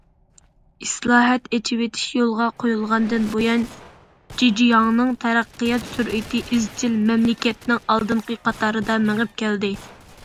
ئىسلاھات، ئېچىۋېتىش يولغا قويۇلغاندىن بۇيان، جېجياڭنىڭ تەرەققىيات سۈرئىتى ئىزچىل مەملىكەتنىڭ ئالدىنقى قاتارىدا مېڭىپ كەلدى.